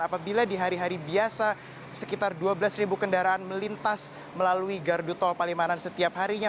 apabila di hari hari biasa sekitar dua belas kendaraan melintas melalui gardu tol palimanan setiap harinya